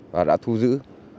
và đã thu giữ